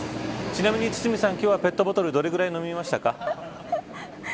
ちなみに堤さんは、今日はペットボトルどのくらい飲みましたか。